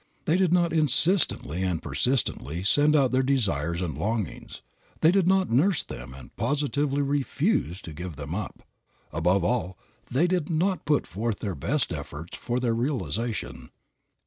They did not insistently and persistently send out their desires and longings; they did not nurse them and positively refuse to give them up; above all, they did not put forth their best efforts for their realization.